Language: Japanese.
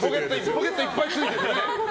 ポケットいっぱいついてるね。